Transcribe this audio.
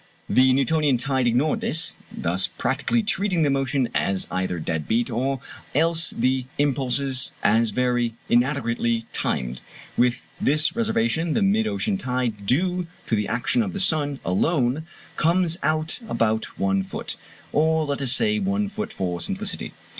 The Newtonian tide ignored this, thus practically treating the motion as either dead beat, or else the impulses as very inadequately timed. With this reservation the mid ocean tide due to the action of the sun alone comes out about one foot, or let us say one foot for simplicity.